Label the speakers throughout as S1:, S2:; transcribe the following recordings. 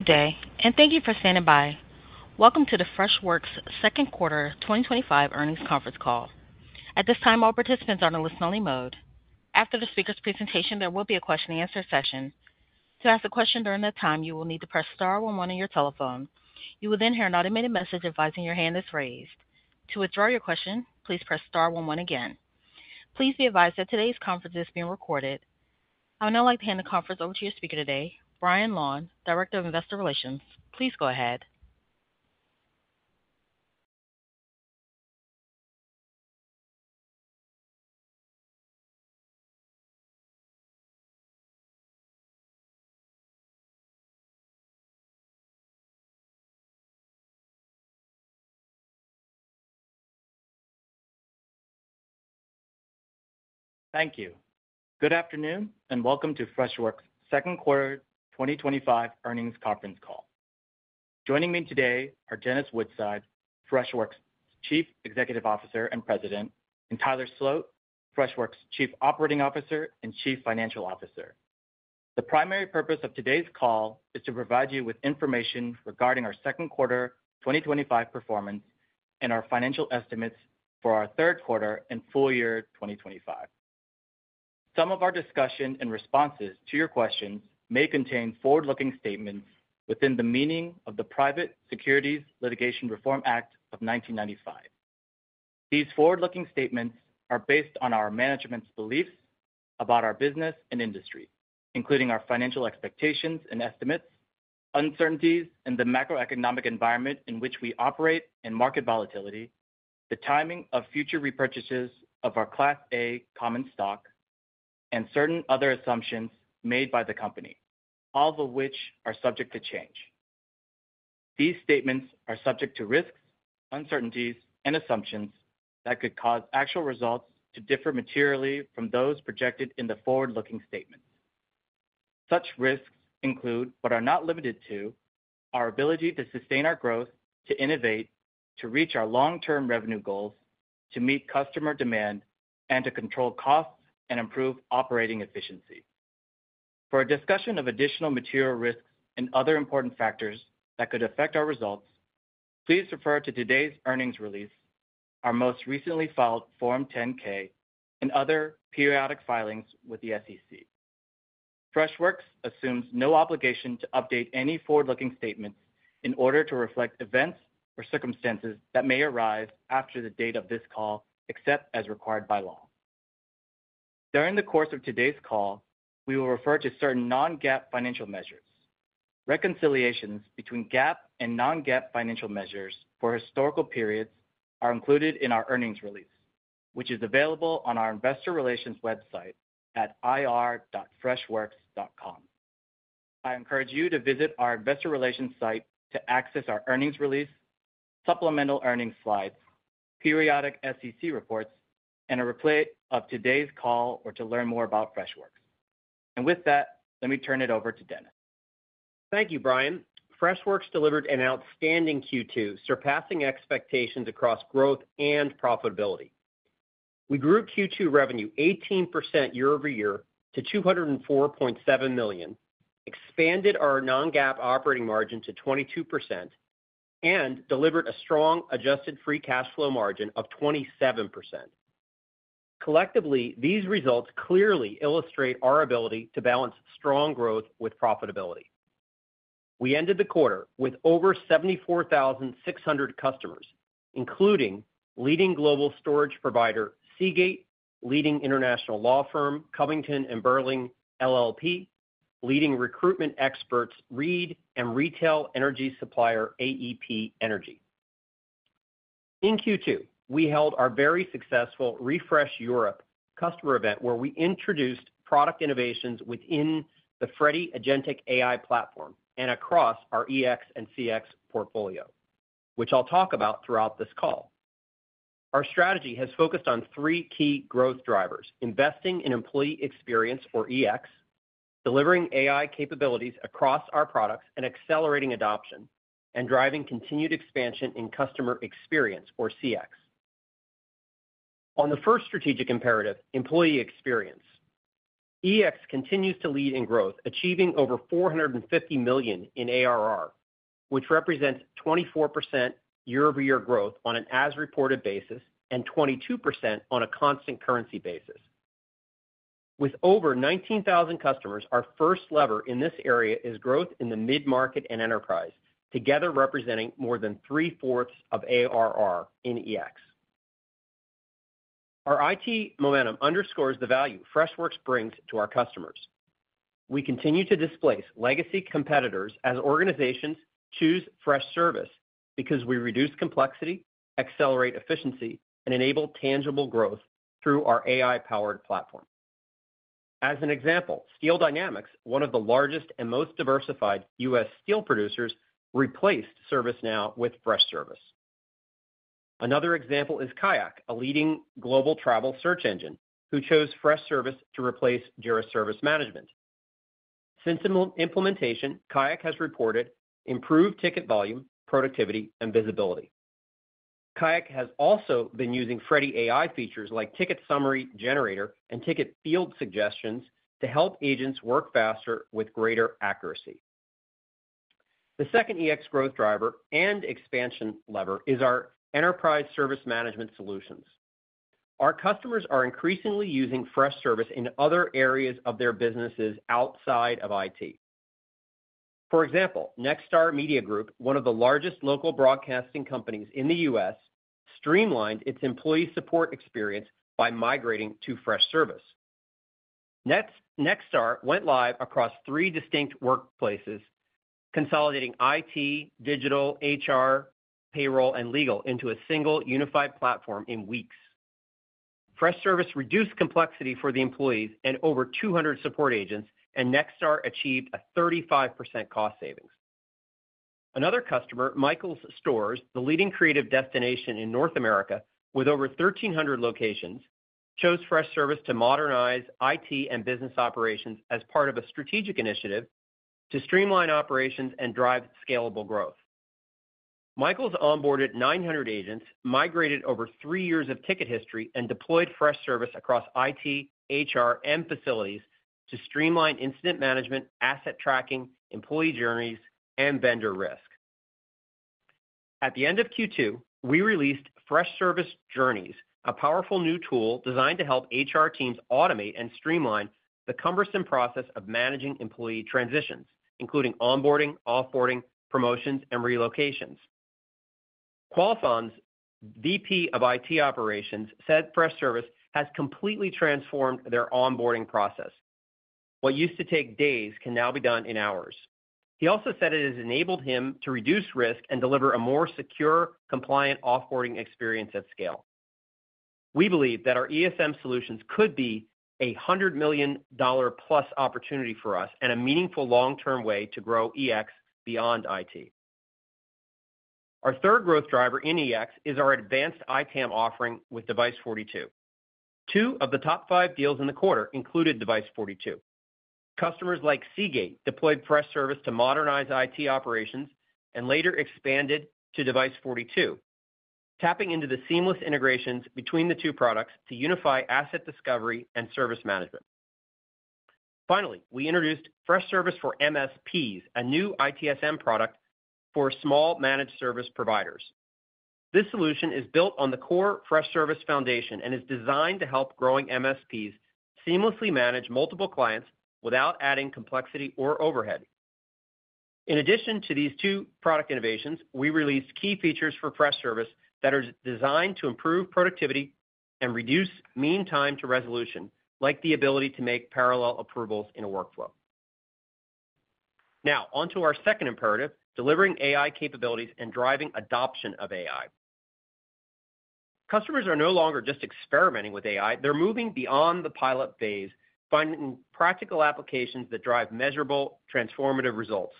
S1: Good day and thank you for standing by. Welcome to the Freshworks second quarter 2025 earnings conference call. At this time, all participants are in listen only mode. After the speaker's presentation, there will be a question and answer session. To ask a question during that time, you will need to press star one one on your telephone. You will then hear an automated message advising your hand is raised. To withdraw your question, please press star one one again. Please be advised that today's conference is being recorded. I would now like to hand the conference over to your speaker today, Brian Lan, Director of Investor Relations. Please go ahead.
S2: Thank you. Good afternoon and welcome to Freshworks second quarter 2025 earnings conference call. Joining me today are Dennis Woodside, Freshworks Chief Executive Officer and President, and Tyler Sloat, Freshworks Chief Operating Officer and Chief Financial Officer. The primary purpose of today's call is to provide you with information regarding our second quarter 2025 performance and our financial estimates for our third quarter and full year 2025. Some of our discussion and responses to your questions may contain forward-looking statements within the meaning of the Private Securities Litigation Reform Act of 1995. These forward-looking statements are based on our management's beliefs about our business and industry, including our financial expectations and estimates, uncertainties in the macroeconomic environment in which we operate, and market volatility, the timing. Of future repurchases of our class A. Common stock, and certain other assumptions made by the company, all of which are subject to change. These statements are subject to risks, uncertainties, and assumptions that could cause actual results to differ materially from those projected in the forward-looking statements. Such risks include, but are not limited to, our ability to sustain our growth, to innovate, to reach our long-term revenue goals, to meet customer demand, and to control costs and improve operating efficiency. For a discussion of additional material risks and other important factors that could affect our results, please refer to today's Earnings Release, our most recently filed Form 10-K, and other periodic filings with the SEC. Freshworks assumes no obligation to update any forward-looking statements in order to reflect events or circumstances that may arise after the date of this call, except as required by law. During the course of today's call, we will refer to certain non-GAAP financial measures. Reconciliations between GAAP and non-GAAP financial measures for historical periods are included in our Earnings Release, which is available on our Investor Relations website at ir.freshworks.com. I encourage you to visit our Investor Relations site to access our Earnings Release, supplemental earnings slides, periodic SEC reports, and a replay of today's call, or to learn more about Freshworks. With that, let me turn it over to Dennis.
S3: Thank you, Brian. Freshworks delivered an outstanding Q2, surpassing expectations across growth and profitability. We grew Q2 revenue 18% year-over-year to $204.7 million, expanded our non-GAAP operating margin to 22%, and delivered a strong adjusted free cash flow margin of 27%. Collectively, these results clearly illustrate our ability to balance strong growth with profitability. We ended the quarter with over 74,600 customers, including leading global storage provider Seagate, leading international law firm Covington & Burling LLP, leading recruitment experts Reed, and retail energy supplier AEP Energy. In Q2, we held our very successful Refresh Europe customer event where we introduced product innovations within the Freddy Agentic AI Platform and across our EX and CX portfolio, which I'll talk about throughout this call. Our strategy has focused on three key growth areas: investing in Employee Experience or EX, delivering AI capabilities across our products and accelerating adoption, and driving continued expansion in Customer Experience or CX. On the first strategic imperative, Employee Experience (EX) continues to lead in growth, achieving over $450 million in ARR, which represents 24% year-over-year growth on an as-reported basis and 22% on a constant currency basis with over 19,000 customers. Our first lever in this area is growth in the mid-market and enterprise, together representing more than 3/4 of ARR. Our IT momentum underscores the value Freshworks brings to our customers. We continue to displace legacy competitors as organizations choose Freshservice because we reduce complexity, accelerate efficiency, and enable tangible growth through our AI-powered platform. As an example, Steel Dynamics, one of the largest and most diversified U.S. steel producers, replaced ServiceNow with Freshservice. Another example is Kayak, a leading global travel search engine, who chose Freshservice to replace JIRA Service Management. Since implementation, Kayak has reported improved ticket volume, productivity, and visibility. Kayak has also been using Freddy AI features like Ticket Summary Generator and Ticket Field Suggestions to help agents work faster with greater accuracy. The second EX growth driver and expansion lever is our enterprise service management solutions. Our customers are increasingly using Freshservice in other areas of their businesses outside of IT. For example, Nexstar Media Group, one of the largest local broadcasting companies in the U.S., streamlined its employee support experience by migrating to Freshservice. Nexstar went live across three distinct workplaces, consolidating IT, digital, HR, payroll, and legal into a single unified platform. In weeks, Freshservice reduced complexity for the employees and over 200 support agents, and Nexstar achieved a 35% cost savings. Another customer, Michaels Stores, the leading creative destination in North America with over 1,300 locations, chose Freshservice to modernize IT and business operations as part of a strategic initiative to streamline operations and drive scalable growth. Michaels onboarded 900 agents, migrated over three years of ticket history, and deployed Freshservice across IT, HR, and facilities to streamline incident management, asset tracking, employee journeys, and vendor risk. At the end of Q2, we released Freshservice Journeys, a powerful new tool designed to help HR teams automate and streamline the cumbersome process of managing employee transitions, including onboarding, offboarding, promotions, and relocations. Qualfon's VP of IT Operations said Freshservice has completely transformed their onboarding process. What used to take days can now be done in hours. He also said it has enabled him to reduce risk and deliver a more secure, compliant offboarding experience at scale. We believe that our ESM solutions could be a $100 million-plus opportunity for us and a meaningful long-term way to grow EX beyond IT. Our third growth driver in EX is our advanced ITAM offering with Device42. Two of the top five deals in the quarter included Device42. Customers like Seagate deployed Freshservice to modernize IT operations and later expanded to Device42, tapping into the seamless integrations between the two products to unify asset discovery and service management. Finally, we introduced Freshservice for MSPs, a new ITSM product for small managed service providers. This solution is built on the core Freshservice foundation and is designed to help growing MSPs seamlessly manage multiple clients without adding complexity or overhead. In addition to these two product innovations, we released key features for Freshservice that are designed to improve productivity and reduce mean time to resolution, like the ability to make parallel approvals in a workflow. Now onto our second imperative, delivering AI capabilities and driving adoption of AI. Customers are no longer just experimenting with AI, they're moving beyond the pilot phase, finding practical applications that drive measurable transformative results.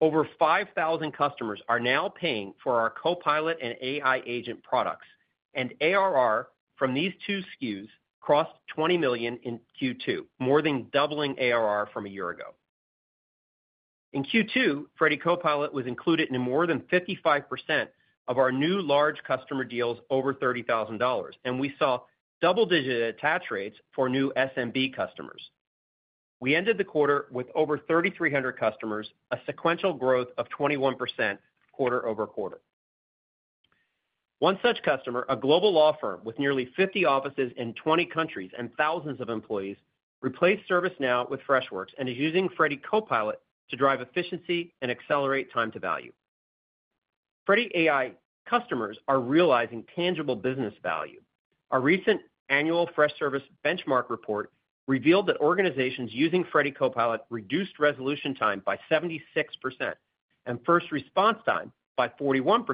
S3: Over 5,000 customers are now paying for our Copilot and AI Agent products and ARR from these two SKUs crossed $20 million in Q2, more than doubling ARR from a year ago. In Q2, Freddy Copilot was included in more than 55% of our new large customer deals, over $30,000, and we saw double-digit attach rates for new SMB customers. We ended the quarter with over 3,300 customers, a sequential growth of 21% quarter-over-quarter. One such customer, a global law firm with nearly 50 offices in 20 countries and thousands of employees, replaced ServiceNow with Freshworks and is using Freddy Copilot to drive efficiency and accelerate time to value. Freddy AI customers are realizing tangible business value. Our recent annual Freshservice Benchmark report revealed that organizations using Freddy Copilot reduced resolution time by 76% and first response time by 41%.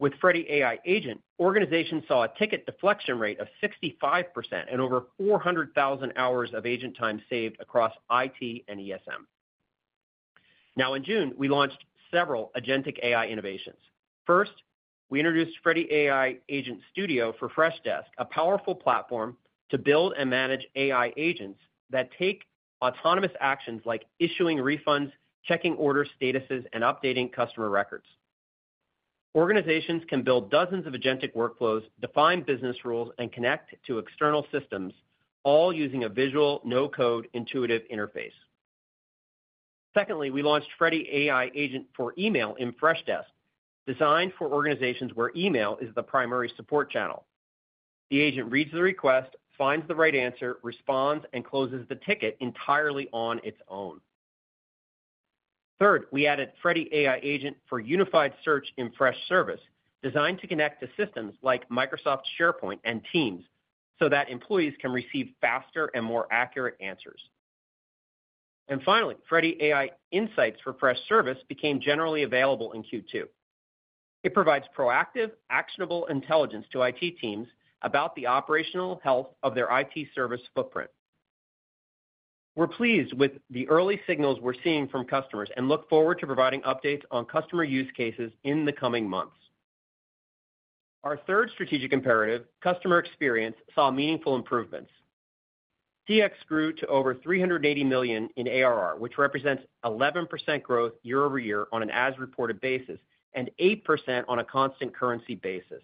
S3: With Freddy AI Agent, organizations saw a ticket deflection rate of 65% and over 400,000 hours of agent time saved across IT and ESM. In June, we launched several AgentIQ AI innovations. First, we introduced Freddy AI Agent Studio for Freshdesk, a powerful platform to build and manage AI agents that take autonomous actions like issuing refunds, checking order statuses, and updating customer records. Organizations can build dozens of agentic workflows, define business rules, and connect to external systems, all using a visual no-code intuitive interface. Secondly, we launched Freddy AI Agent for email in Freshdesk, designed for organizations where email is the primary support channel. The agent reads the request, finds the right answer, responds, and closes the ticket entirely on its own. Third, we added Freddy AI Agent for unified search in Freshservice, designed to connect to systems like Microsoft, SharePoint, and Teams so that employees can receive faster and more accurate answers. Finally, Freddy AI Insights for Freshservice became generally available in Q2. It provides proactive, actionable intelligence to IT teams about the operational health of their IT service footprint. We're pleased with the early signals we're seeing from customers and look forward to providing updates on customer use cases in the coming months. Our third strategic imperative, Customer Experience, saw meaningful improvements. CX grew to over $380 million in ARR, which represents 11% growth year-over-year on an as reported basis and 8% on a constant currency basis.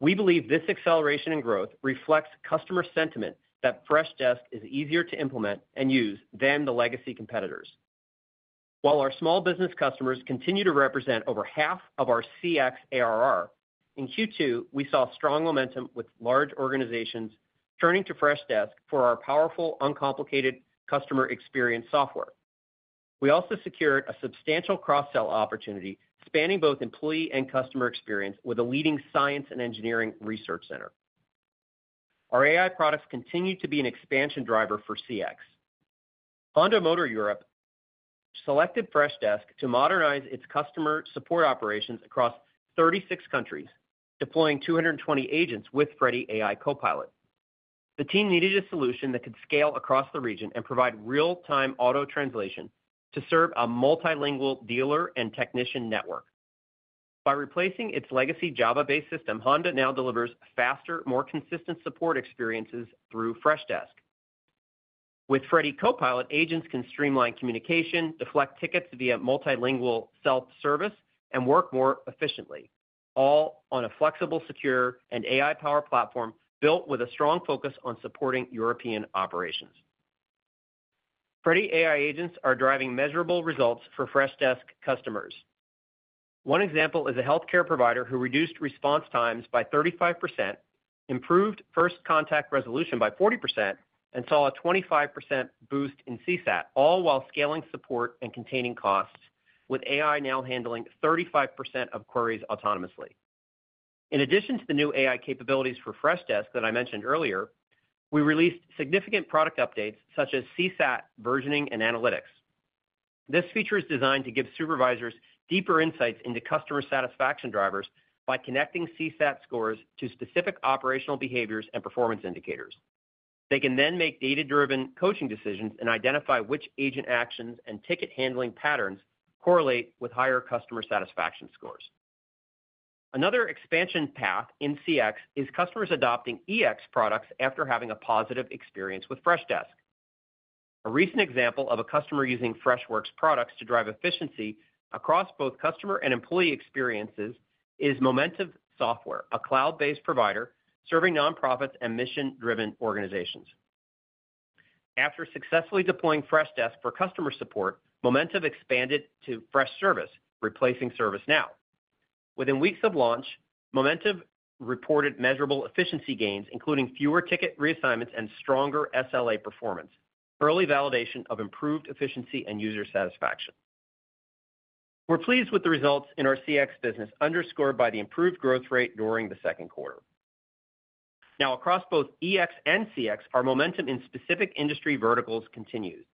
S3: We believe this acceleration in growth reflects customer sentiment that Freshdesk is easier to implement and use than the legacy competitors. While our small business customers continue to represent over half of our CX ARR, in Q2 we saw strong momentum with large organizations turning to Freshdesk for our powerful, uncomplicated customer experience software. We also secured a substantial cross-sell opportunity spanning both employee and customer experience with a leading science and engineering research center. Our AI products continue to be an expansion driver for CX. Honda Motor Europe selected Freshdesk to modernize its customer support operations across 36 countries, deploying 220 agents with Freddy AI Copilot. The team needed a solution that could scale across the region and provide real-time auto translation to serve a multilingual dealer and technician network. By replacing its legacy Java-based system, Honda now delivers faster, more consistent support experiences through Freshdesk. With Freddy Copilot, agents can streamline communication, deflect tickets via multilingual self-service, and work more efficiently, all on a flexible, secure, and AI-powered platform. Built with a strong focus on supporting European operations, Freddy AI agents are driving measurable results for Freshdesk customers. One example is a healthcare provider who reduced response times by 35%, improved first contact resolution by 40%, and saw a 25% boost in CSAT, all while scaling support and containing costs with AI now handling 35% of queries autonomously. In addition to the new AI capabilities for Freshdesk that I mentioned earlier, we released significant product updates such as CSAT versioning and analytics. This feature is designed to give supervisors deeper insights into customer satisfaction drivers by connecting CSAT scores to specific operational behaviors and performance indicators. They can then make data-driven coaching decisions and identify which agent actions and ticket handling patterns correlate with higher customer satisfaction scores. Another expansion path in CX is customers adopting EX products after having a positive experience with Freshdesk. A recent example of a customer using Freshworks products to drive efficiency across both customer and employee experiences is Momentive Software, a cloud-based provider serving nonprofits and mission-driven organizations. After successfully deploying Freshdesk for customer support, Momentive expanded to Freshservice, replacing ServiceNow. Within weeks of launch, Momentive reported measurable efficiency gains, including fewer ticket reassignments and stronger SLA performance, early validation of improved efficiency and user satisfaction. We're pleased with the results in our CX business, underscored by the improved growth rate during the second quarter. Now, across both EX and CX, our momentum in specific industry verticals continues.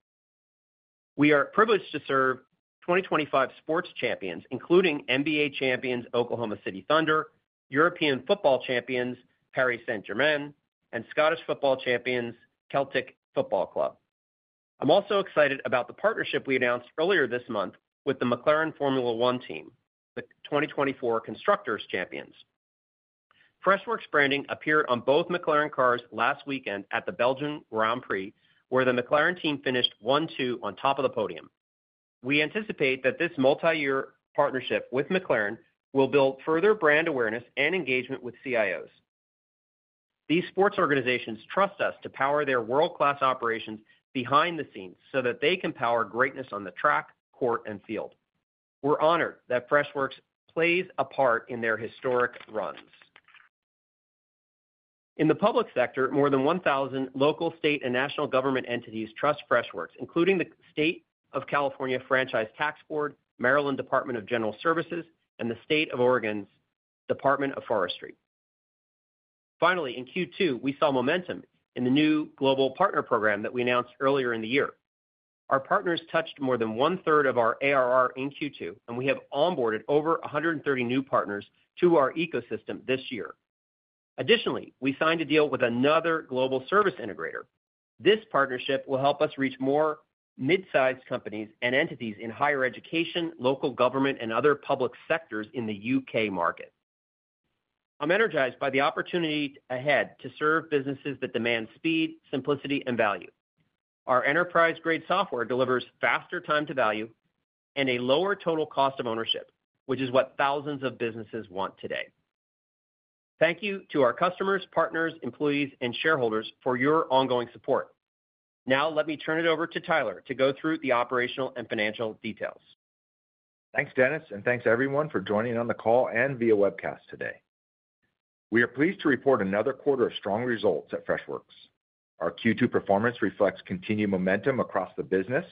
S3: We are privileged to serve 2025 sports champions, including NBA champions Oklahoma City Thunder, European football champions Paris Saint-Germain, and Scottish football champions Celtic Football Club. I'm also excited about the partnership we announced earlier this month with the McLaren Formula 1 team. The 2024 constructors champions, Freshworks branding appeared on both McLaren cars last weekend at the Belgian Grand Prix, where the McLaren team finished one-two on top of the podium. We anticipate that this multi-year partnership with McLaren will build further brand awareness and engagement with CIOs. These sports organizations trust us to power their world-class operations behind the scenes so that they can power greatness on the track, court, and field. We're honored that Freshworks plays a part in their historic runs. In the public sector, more than 1,000 local, state, and national government entities trust Freshworks, including the State of California Franchise Tax Board, Maryland Department of General Services, and the State of Oregon's Department of Forestry. Finally, in Q2 we saw momentum in the new Global Partner Program that we announced earlier in the year. Our partners touched more than one-third of our ARR in Q2, and we have onboarded over 130 new partners to our ecosystem this year. Additionally, we signed a deal with another global service integrator. This partnership will help us reach more mid-sized companies and entities in higher education, local government, and other public sectors in the U.K. market. I'm energized by the opportunity ahead to serve businesses that demand speed, simplicity, and value. Our enterprise grade software delivers faster time to value and a lower total cost of ownership, which is what thousands of businesses want today. Thank you to our customers, partners, employees, and shareholders for your ongoing support. Now let me turn it over to Tyler to go through the operational and financial details.
S4: Thanks Dennis and thanks everyone for joining on the call and via webcast. Today we are pleased to report another quarter of strong results at Freshworks. Our Q2 performance reflects continued momentum across the business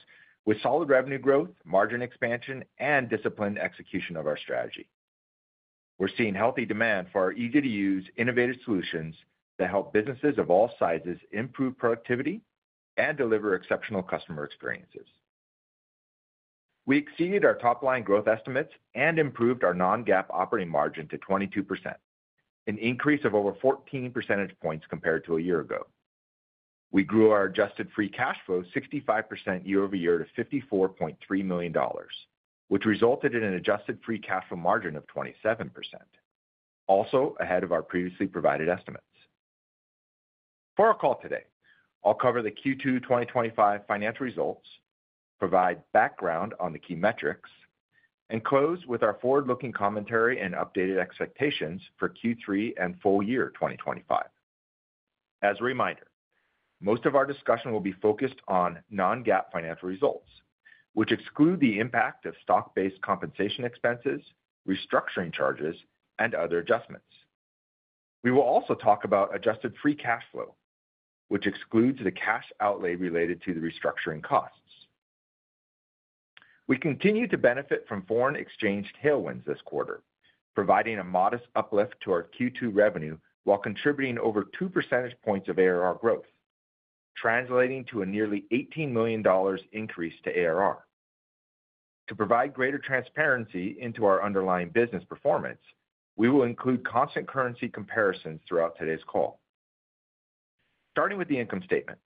S4: with solid revenue growth, margin expansion, and disciplined execution of our strategy. We're seeing healthy demand for our easy-to-use, innovative solutions that help businesses of all sizes improve productivity and deliver exceptional customer experiences. We exceeded our top-line growth estimates and improved our non-GAAP operating margin to 22%, an increase of over 14% points compared to a year ago. We grew our adjusted free cash flow 65% year-over-year to $54.3 million, which resulted in an adjusted free cash flow margin of 27%, also ahead of our previously provided estimates for our call. Today I'll cover the Q2 2025 financial results, provide background on the key metrics, and close with our forward-looking commentary and updated expectations for Q3 and full year 2025. As a reminder, most of our discussion will be focused on non-GAAP financial results, which exclude the impact of stock-based compensation expenses, restructuring charges, and other adjustments. We will also talk about adjusted free cash flow, which excludes the cash outlay related to the restructuring costs. We continue to benefit from foreign exchange tailwinds this quarter, providing a modest uplift to our Q2 revenue while contributing over 2% points of ARR growth, translating to a nearly $18 million increase to ARR. To provide greater transparency into our underlying business performance, we will include constant currency comparisons throughout today's call. Starting with the income statement,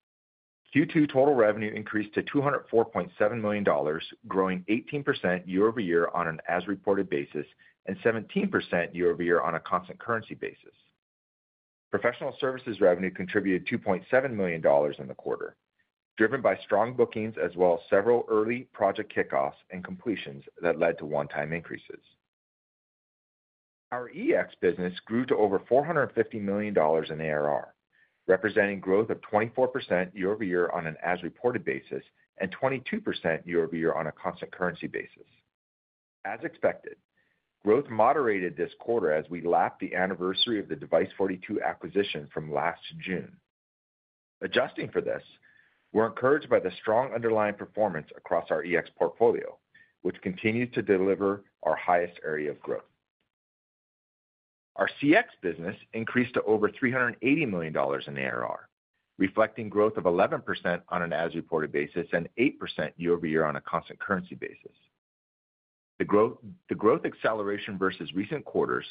S4: Q2 total revenue increased to $204.7 million, growing 18% year-over-year on an as reported basis and 17% year-over-year on a constant currency basis. Professional services revenue contributed $2.7 million in the quarter, driven by strong bookings as well as several early project kickoffs and completions that led to one-time increases. Our EX business grew to over $450 million in ARR, representing growth of 24% year-over-year on an as reported basis and 22% year-over-year on a constant currency basis. As expected, growth moderated this quarter as we lapped the anniversary of the Device42 acquisition from last June. Adjusting for this, we're encouraged by the strong underlying performance across our EX portfolio, which continues to deliver our highest area of growth. Our CX business increased to over $380 million in ARR, reflecting growth of 11% on an as reported basis and 8% year-over-year on a constant currency basis. The growth acceleration versus recent quarters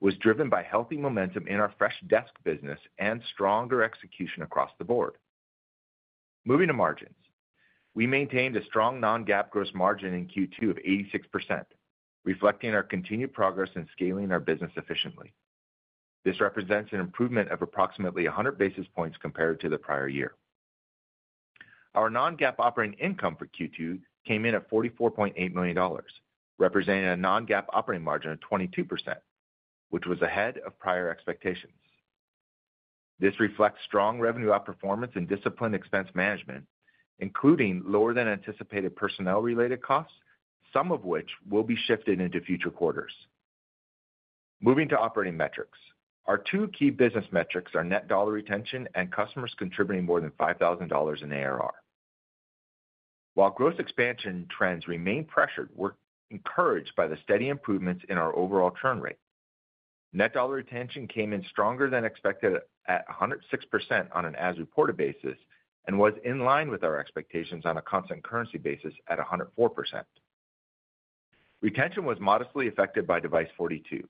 S4: was driven by healthy momentum in our Freshdesk business and stronger execution across the board. Moving to margins, we maintained a strong non-GAAP gross margin in Q2 of 86%, reflecting our continued progress in scaling our business efficiently. This represents an improvement of approximately 100 basis points compared to the prior year. Our non-GAAP operating income for Q2 came in at $44.8 million, representing a non-GAAP operating margin of 22%, which was ahead of prior expectations. This reflects strong revenue outperformance and disciplined expense management, including lower than anticipated personnel-related costs, some of which will be shifted into future quarters. Moving to operating metrics, our two key business metrics are net dollar retention and customers contributing more than $5,000 in ARR. While gross expansion trends remain pressured, we're encouraged by the steady improvements in our overall churn rate. Net dollar retention came in stronger than expected at 106% on an as reported basis and was in line with our expectations on a constant currency basis at 104%. Retention was modestly affected by Device42,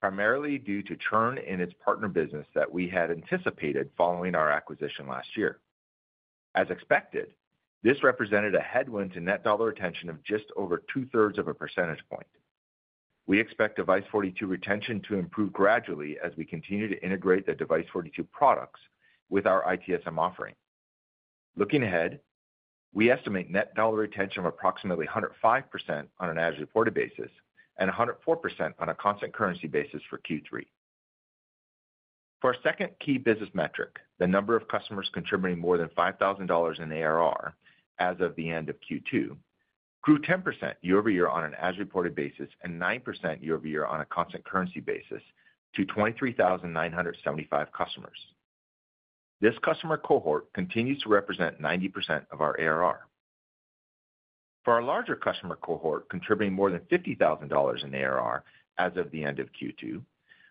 S4: primarily due to churn in its partner business that we had anticipated following our acquisition last year. As expected, this represented a headwind to net dollar retention of just over 0.67% point. We expect Device42 retention to improve gradually as we continue to integrate the Device42 products with our ITSM offering. Looking ahead, we estimate net dollar retention of approximately 105% on an as reported basis and 104% on a constant currency basis for Q3. For our second key business metric, the number of customers contributing more than $5,000 in ARR as of the end of Q2 grew 10% year-over-year on an as reported basis and 9% year-over-year on a constant currency basis to 23,975 customers. This customer cohort continues to represent 90% of our ARR. For our larger customer cohort contributing more than $50,000 in ARR as of the end of Q2,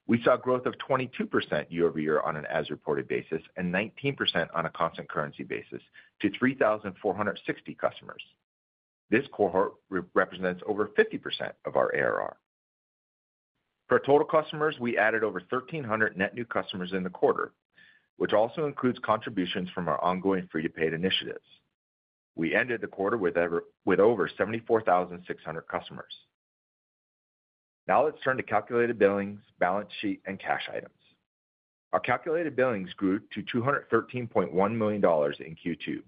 S4: we saw growth of 22% year-over-year on an as reported basis and 19% on a constant currency basis to 3,460 customers. This cohort represents over 50% of our ARR for total customers. We added over 1,300 net new customers in the quarter, which also includes contributions from our ongoing free to paid initiatives. We ended the quarter with over 74,600 customers. Now let's turn to calculated billings, balance sheet, and cash items. Our calculated billings grew to $213.1 million in Q2,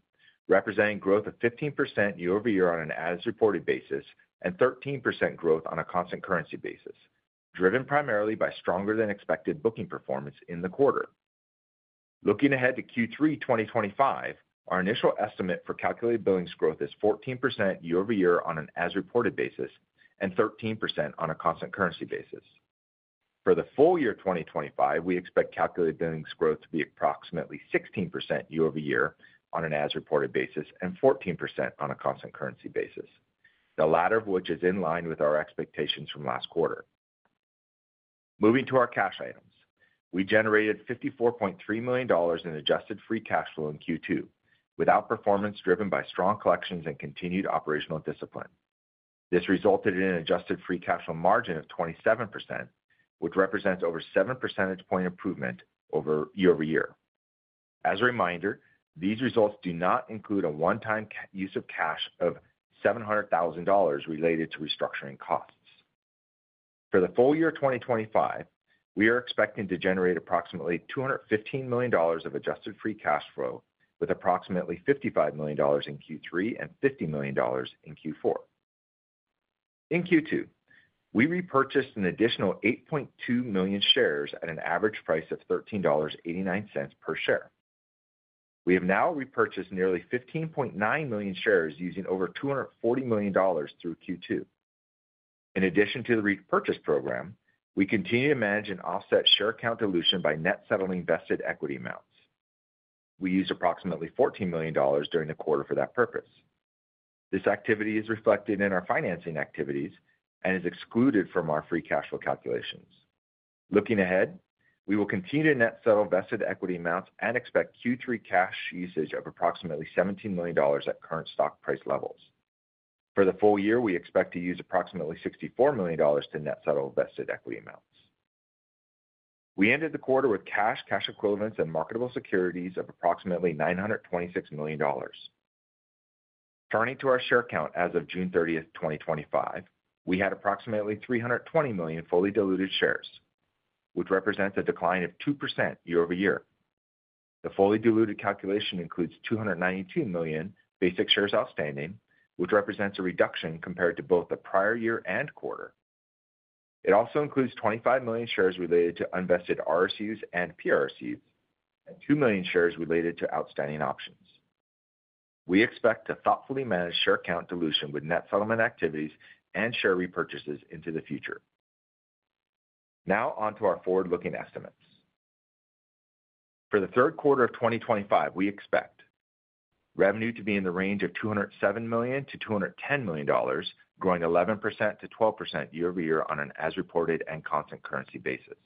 S4: representing growth of 15% year-over-year on an as reported basis and 13% growth on a constant currency basis, driven primarily by stronger than expected booking performance in the quarter. Looking ahead to Q3 2025, our initial estimate for calculated billings growth is 14% year-over-year on an as reported basis and 13% on a constant currency basis. For the full year 2025, we expect calculated billings growth to be approximately 16% year-over-year on an as reported basis and 14% on a constant currency basis, the latter of which is in line with our expectations from last quarter. Moving to our cash items, we generated $54.3 million in adjusted free cash flow in Q2 with outperformance driven by strong collections and continued operational discipline. This resulted in an adjusted free cash flow margin of 27%, which represents over 7% point improvement year-over-year. As a reminder, these results do not include a one-time use of cash of $700,000 related to restructuring costs. For the full year 2025, we are expecting to generate approximately $215 million of adjusted free cash flow with approximately $55 million in Q3 and $50 million in Q4. In Q2, we repurchased an additional $8.2 million shares at an average price of $13.89 per share. We have now repurchased nearly $15.9 million shares using over $240 million through Q2. In addition to the repurchase program, we continue to manage and offset share count dilution by net settling vested equity amounts. We used approximately $14 million during the quarter for that purpose. This activity is reflected in our financing activities and is excluded from our free cash flow calculations. Looking ahead, we will continue to net settle vested equity amounts and expect Q3 cash usage of approximately $17 million at current stock price levels. For the full year, we expect to use approximately $64 million to net settle vested equity amounts. We ended the quarter with cash, cash equivalents, and marketable securities of approximately $926 million. Turning to our share count, as of June 30th, 2025, we had approximately $320 million fully diluted shares, which represents a decline of 2% year-over-year. The fully diluted calculation includes $292 million basic shares outstanding, which represents a reduction compared to both the prior year and quarter. It also includes $25 million shares related to unvested RRCs and PRSUs, and 2 million shares related to outstanding options. We expect to thoughtfully manage share count dilution with net settlement activities and share repurchases into the future. Now onto our forward-looking estimates for the third quarter of 2025. We expect revenue to be in the range of $207 million-$210 million, growing 11%-12% year-over-year on an as reported and constant currency basis.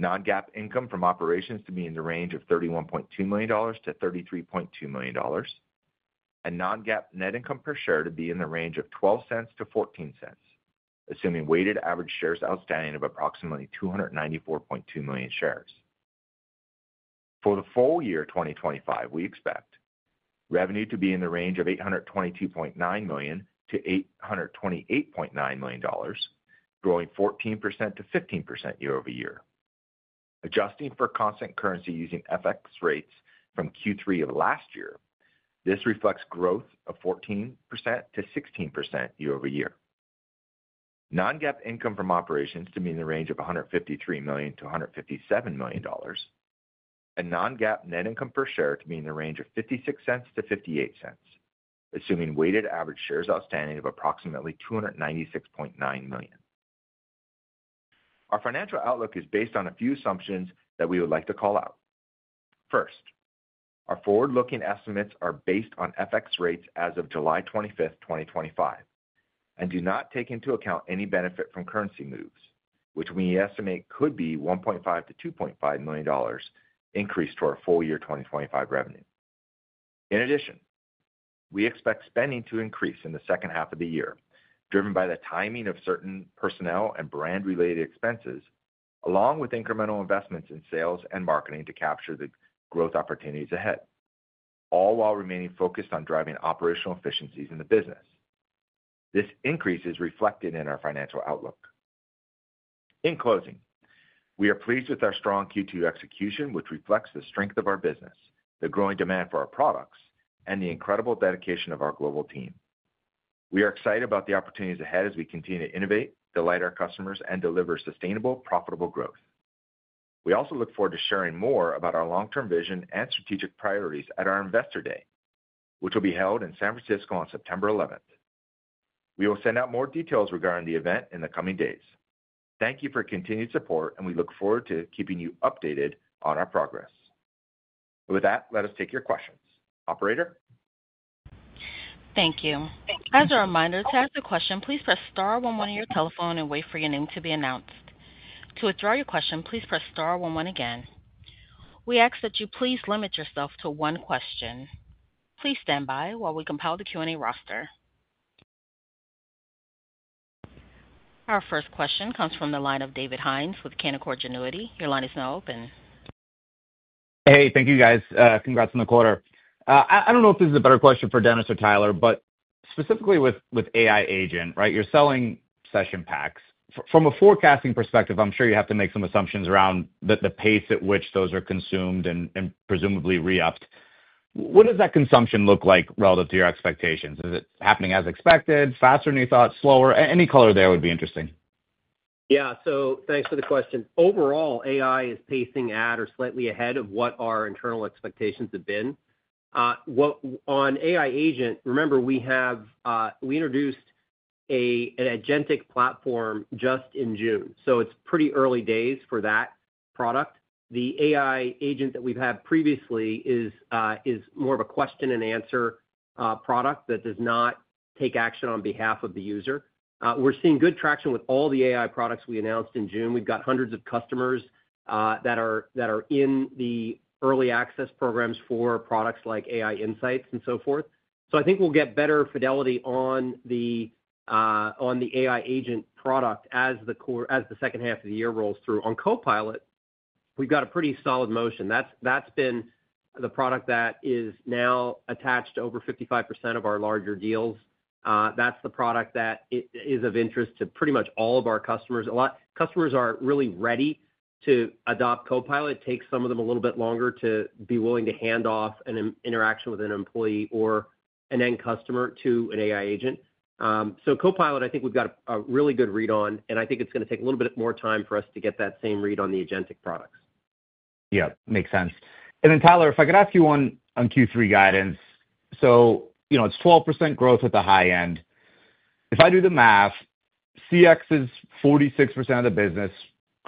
S4: Non-GAAP income from operations to be in the range of $31.2 million-$33.2 million, and non-GAAP net income per share to be in the range of $0.12-$0.14. Assuming weighted average shares outstanding of approximately $294.2 million shares for the full year 2025, we expect revenue to be in the range of $822.9 million-$828.9 million, growing 14%-15% year-over-year. Adjusting for constant currency using FX rates from Q3 of last year, this reflects growth of 14%-16% year-over-year. Non-GAAP income from operations to be in the range of $153 million-$157 million. Non-GAAP net income per share to be in the range of $0.56-$0.58, assuming weighted average shares outstanding of approximately $296.9 million. Our financial outlook is based on a few assumptions that we would like to call out. First, our forward-looking estimates are based on FX rates as of July 25th, 2025, and do not take into account any benefit from currency moves, which we estimate could be $1.5 million-$2.5 million increase to our full year 2025 revenue. In addition, we expect spending to increase in the second half of the year, driven by the timing of certain personnel and brand-related expenses, along with incremental investments in sales and marketing to capture the growth opportunities ahead, all while remaining focused on driving operational efficiencies in the business. This increase is reflected in our financial outlook. In closing, we are pleased with our strong Q2 execution, which reflects the strength of our business, the growing demand for our products, and the incredible dedication of our global team. We are excited about the opportunities ahead as we continue to innovate, delight our customers, and deliver sustainable, profitable growth. We also look forward to sharing more about our long term vision and strategic priorities at our Investor Day, which will be held in San Francisco on September 11th. We will send out more details regarding the event in the coming days. Thank you for your continued support, and we look forward to keeping you updated on our progress. With that, let us take your questions. Operator, thank you.
S1: As a reminder to ask a question, please press star one one on your telephone and wait for your name to be announced. To withdraw your question, please press star one one. Again, we ask that you please limit yourself to one question. Please stand by while we compile the Q&A roster. Our first question comes from the line of David Hynes with Canaccord Genuity. Your line is now open.
S5: Hey, thank you guys. Congrats on the quarter. I don't know if this is a better question for Dennis or Tyler, but specifically with AI Agent, right? You're selling session packs from a forecasting perspective. I'm sure you have to make some assumptions around the pace at which those are consumed and presumably re-upped. What does that consumption look like relative to your expectations? Is it happening as expected? Faster than you thought? Slower? Any color there would be interesting.
S3: Yeah. Thanks for the question. Overall, AI is pacing at or slightly ahead of what our internal expectations have been on AI Agent. Remember we introduced an Agentic platform just in June, so it's pretty early days for that product. The AI Agent that we've had previously is more of a question and answer product that does not take action on behalf of the user. We're seeing good traction with all the AI products we announced in June. We've got hundreds of customers that are in the early access programs for products like Freddy AI Insights and so forth. I think we'll get better fidelity on the AI Agent product as the second half of the year rolls through. On Copilot, we've got a pretty solid motion. That's been the product that is now attached to over 55% of our larger deals. That's the product that is of interest to pretty much all of our customers. Customers are really ready to adopt Copilot. It takes some of them a little bit longer to be willing to hand off an interaction with an employee or an end customer to an AI agent. Copilot, I think we've got a really good read on, and I think it's going to take a little bit more time for us to get that same read on the agentic products.
S5: Yeah, makes sense. Tyler, if I could ask you on Q3 guidance. It's 12% growth at the high end. If I do the math, CX is 46% of the business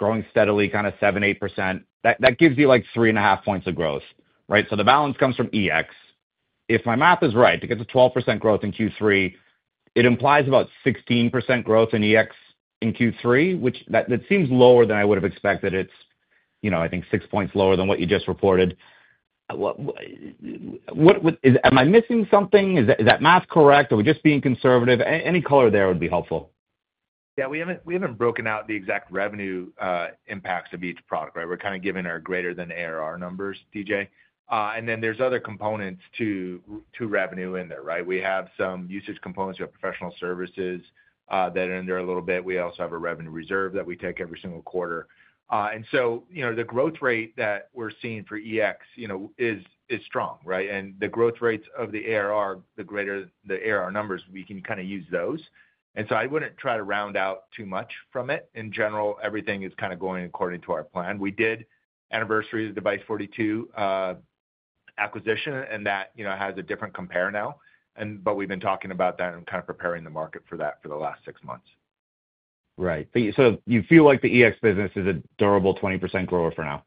S5: growing steadily, kind of 7, 8%. That gives you like 3.5 points of growth. Right. The balance comes from, if my math is right, it gets a 12% growth in Q3. It implies about 16% growth in Q3, which seems lower than I would have expected. It's, you know, I think six points lower than what you just reported. Am I missing something? Is that math correct? Are we just being conservative? Any color there would be helpful.
S4: We haven't broken out the exact revenue impacts of each product. Right. We're kind of given our greater than ARR numbers, DJ, and then there's other components to revenue in there. Right. We have some usage components. We have professional services that are in. There a little bit. We also have a revenue reserve that we take every single quarter. The growth rate that we're seeing for EX is strong. The growth rates of the ARR, the greater the ARR numbers, we can kind of use those. I wouldn't try to round out too much from it. In general, everything is kind of going according to our plan. We did anniversary of Device42 acquisition, and that has a different compare now. We've been talking about that and kind of preparing the market for that for the last six months.
S5: Right. So you feel like the EX business. Is a durable 20% grower.
S4: For now,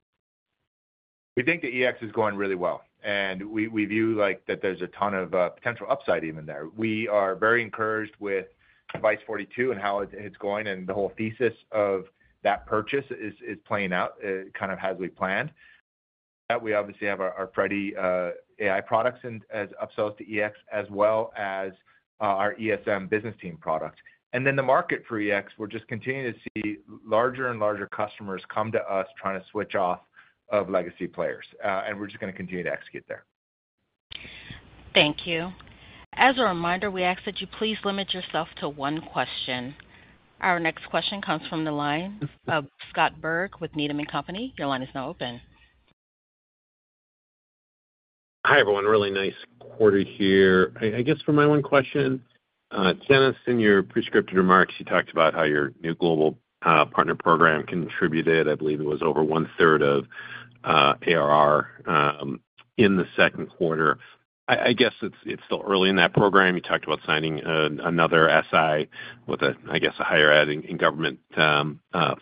S4: we think the EX is going really well and we view like that there's a ton of potential upside even there. We are very encouraged with Device42 and how it's going and the whole thesis of that purchase is playing out kind of as we planned. We obviously have our Freddy AI products upsells to EX as well as our ESM business team product. The market for EX, we're just continuing to see larger and larger customers come to us trying to switch off of legacy players and we're just going to continue to execute there.
S1: Thank you. As a reminder, we ask that you please limit yourself to one question. Our next question comes from the line of Scott Berg with Needham & Company. Your line is now open.
S6: Hi everyone. Really nice quarter here. I guess for my one question, Dennis, in your prescriptive remarks you talked about how your new global partner program contributed. I believe it was over 1/3 of ARR in the second quarter. I guess it's still early in that program. You talked about signing another SI with, I guess, a higher add in government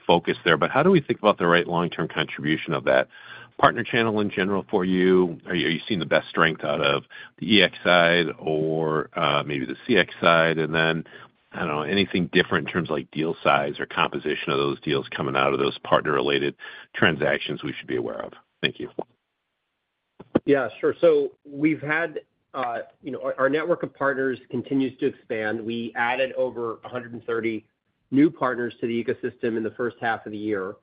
S6: focus there. How do we think about the right long term contribution of that partner channel in general for you? Are you seeing the best strength out of the EX side or maybe the CX side? Is there anything different in terms of deal size or composition of those deals coming out of those partner related transactions we should be aware of?
S3: Thank you. Yeah, sure. Our network of partners continues to expand. We added over 130 new partners to the ecosystem in the first half of the year,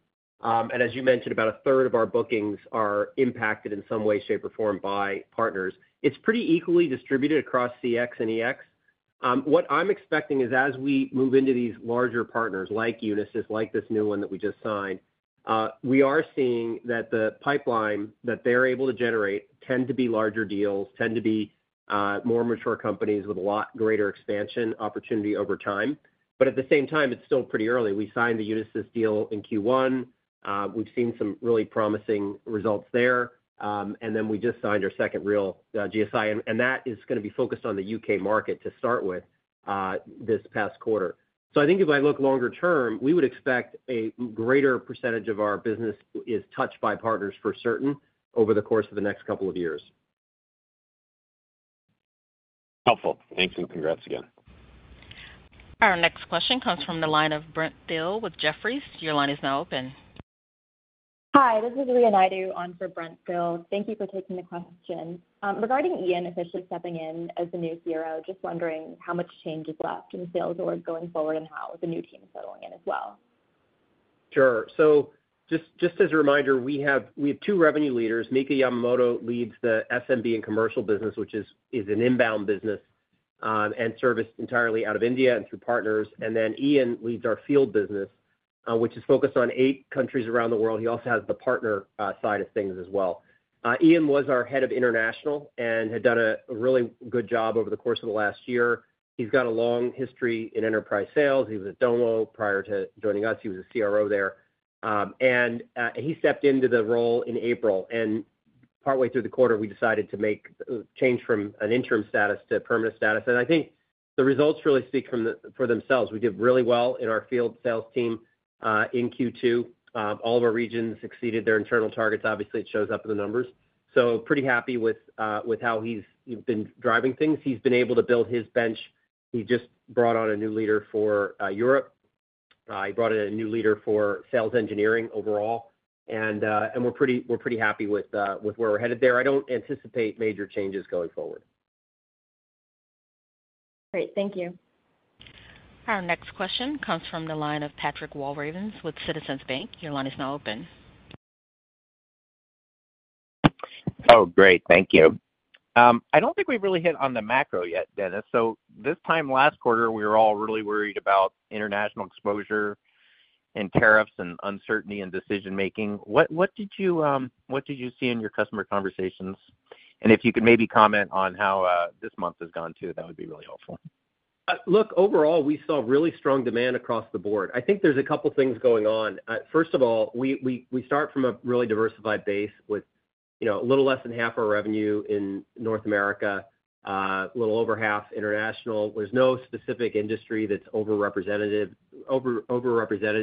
S3: and as you mentioned, about a third of our bookings are impacted in some way, shape, or form by partners. It's pretty equally distributed across CX and EX. What I'm expecting is as we move into these larger partners like Unisys, like this new one that we just signed, we are seeing that the pipeline that they're able to generate tends to be larger deals, tends to be more mature companies with a lot greater expansion opportunity over time. At the same time, it's still pretty early. We signed the Unisys deal in Q1. We've seen some really promising results there. We just signed our second real GSI, and that is going to be focused on the U.K. market to start with this past quarter. I think if I look longer term, we would expect a greater percentage of our business is touched by partners for certain over the course of the year. Next couple of years.
S4: Helpful.
S5: Thanks and congrats again.
S1: Our next question comes from the line of Brent Thill with Jefferies. Your line is now open.
S7: Hi, this is Ria Naidu on for Brent Thill. Thank you for taking the question regarding Ian officially stepping in as the new CRO. Just wondering how much change is left in the sales org going forward and how the new team is settling in as well.
S3: Sure. Just as a reminder, we have two revenue leaders. Mika Yamamoto leads the SMB and commercial business, which is an inbound business and serviced entirely out of India and through partners. Ian leads our field business, which is focused on eight countries around the world. He also has the partner side of things as well. Ian was our Head of International and had done a really good job over the course of the last year. He's got a long history in enterprise sales. He was at Domo prior to joining us. He was a CRO there, and he stepped into the role in April. Partway through the quarter, we decided to make a change from an interim status to permanent status. I think the results really speak for themselves. We did really well in our field sales team in Q2. All of our regions exceeded their internal targets. It obviously shows up in the numbers. Pretty happy with how he's been driving things. He's been able to build his bench. He just brought on a new leader for Europe. He brought in a new leader for sales engineering overall, and we're pretty happy with where we're headed there. I don't anticipate major changes going forward.
S1: Great, thank you. Our next question comes from the line of Patrick Walravens with Citizens Bank. Your line is now open.
S8: Oh, great. Thank you. I don't think we've really hit on the macro yet, Dennis. This time last quarter we were. All really worried about international exposure. Tariffs and uncertainty in decision making. What did you see in your customer? Conversations, and if you could maybe comment on how this month has gone too, that would be really helpful.
S3: Look, overall we saw really strong demand across the board. I think there's a couple things going on. First of all, we start from a really diversified base with a little less than half our revenue in North America, a little over half international. There's no specific industry that's overrepresented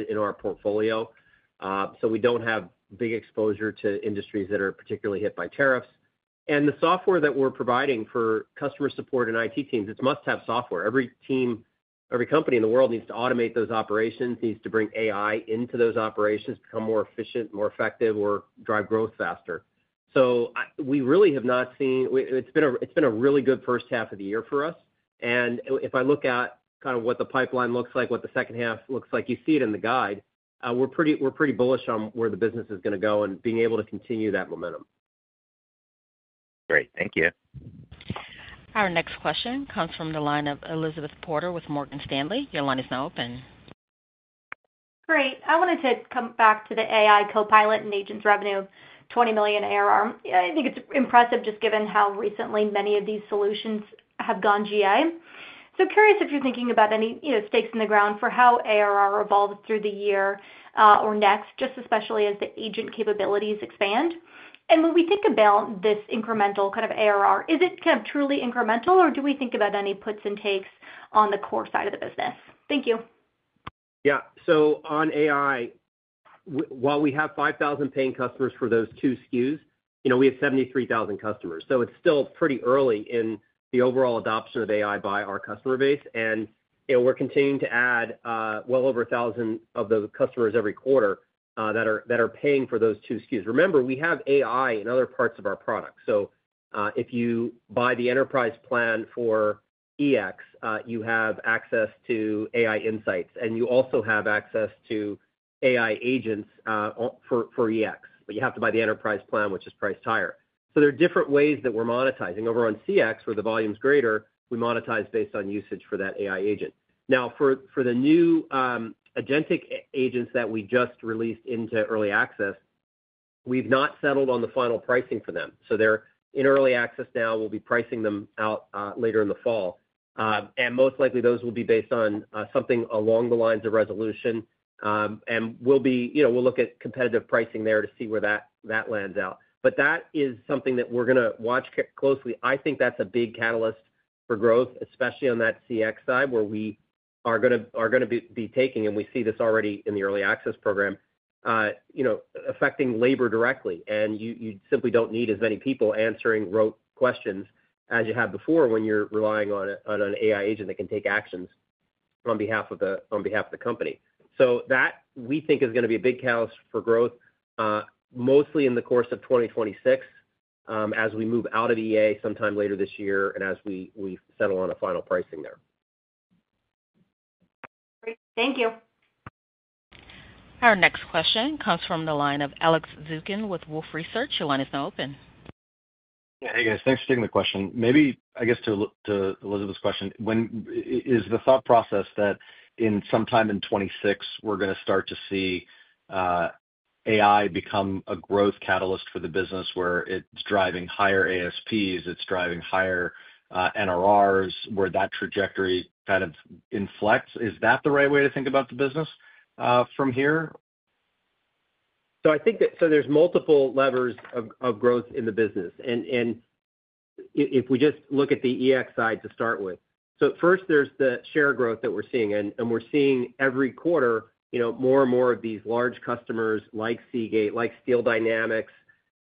S3: in our portfolio. We don't have big exposure to industries that are particularly hit by tariffs. The software that we're providing for customer support and IT teams, it's must-have software. Every team, every company in the world needs to automate those operations, needs to bring AI into those operations, become more efficient, more effective or drive growth faster. We really have not seen. It's been a really good first half of the year for us. If I look at kind of what the pipeline looks like, what the second half looks like, you see it in the guide. We're pretty bullish on where the business is going to go and being able to continue that momentum.
S8: Great, thank you.
S1: Our next question comes from the line of Elizabeth Porter with Morgan Stanley. Your line is now open.
S9: Great. I wanted to come back to the AI Copilot and agent's revenue. $20 million ARR. I think it's impressive just given how recently many of these solutions have gone GA. I'm curious if you're thinking about any stakes in the ground for how ARR evolves through the year or next, especially as the agent capabilities expand. When we think about this incremental ARR, is it truly incremental or do we think about any puts and takes on the core side of the business? Thank you.
S3: Yeah. On AI, while we have 5,000 paying customers for those two SKUs, we have 73,000 customers. It is still pretty early in the overall adoption of AI by our customer base. We are continuing to add well over 1,000 of the customers every quarter that are paying for those two SKUs. Remember, we have AI in other parts of our products. If you buy the enterprise plan for EX, you have access to AI Insights and you also have access to AI Agent for EX, but you have to buy the enterprise plan, which is priced higher. There are different ways that we are monetizing. Over on CX, where the volume is greater, we monetize based on usage for that AI agent. For the new Agentic agents that we just released into early access, we have not settled on the final pricing for them. They are in early access now. We will be pricing them out later in the fall, and most likely those will be based on something along the lines of resolution. We will look at competitive pricing there to see where that lands. That is something that we are going to watch closely. I think that is a big catalyst for growth, especially on that CX side where we are going to be taking. We see this already in the early access program, affecting labor directly. You simply do not need as many people answering rote questions as you have before when you are relying on an AI agent that can take actions on behalf of the company. We think that is going to be a big catalyst for growth mostly in the course of 2026, as we move out of EA sometime later this year and as we settle on a final pricing there.
S9: Great, thank you.
S1: Our next question comes from the line of Alex Zukin with Wolfe Research. Your line is now open.
S10: Hey guys, thanks for taking the question. Maybe I guess to Elizabeth's question is. The thought process that in some time. In 2026 we're going to start to. See AI become a growth catalyst for Freshworks. The business where it's driving higher ASPs, it's driving higher NRRs, where that trajectory kind of inflects. Is that the right way to think about the business from here?
S3: I think that there's multiple levers of growth in the business, and if we just look at the EX side to start with, first there's the share growth that we're seeing. We're seeing every quarter more and more of these large customers like Seagate, like Steel Dynamics,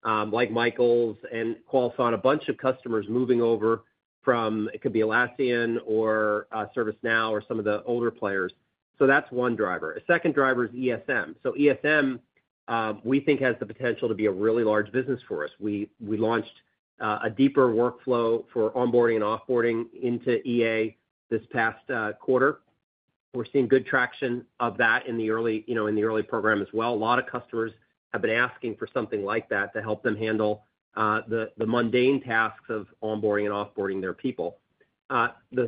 S3: like Michaels, and Qualfon, a bunch of customers moving over from, it could be Atlassian or ServiceNow or some of the older players. That's one driver. A second driver is ESM. ESM, we think, has the potential to be a really large business for us. We launched a deeper workflow for onboarding and offboarding into EA this past quarter. We're seeing good traction of that in the early program as well. A lot of customers have been asking for something like that to help them handle the mundane tasks of onboarding and offboarding their people. The